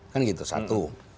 kan gitu satu